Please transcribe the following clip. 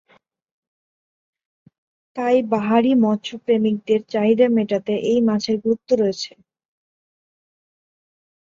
তাই বাহারি মৎস্য প্রেমীদের চাহিদা মেটাতে এই মাছের গুরুত্ব রয়েছে।